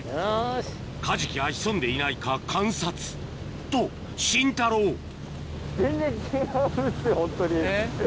カジキが潜んでいないか観察とシンタローえっ？